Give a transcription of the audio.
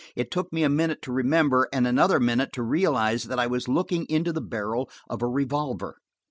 It took me a minute to remember, and another minute to realize that I was looking into the barrel of a revolver.